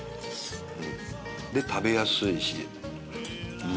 で食べやすいし。